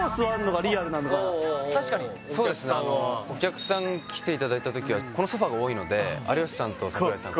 確かにそうですねあのお客さん来ていただいたときはこのソファが多いので有吉さんと櫻井さん